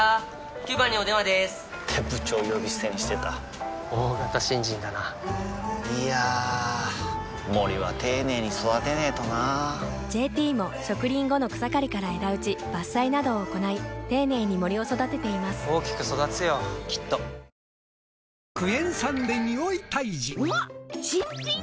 ９番にお電話でーす！って部長呼び捨てにしてた大型新人だないやー森は丁寧に育てないとな「ＪＴ」も植林後の草刈りから枝打ち伐採などを行い丁寧に森を育てています大きく育つよきっと明治動したらザバス。